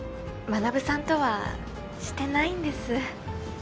学さんとはしてないんです。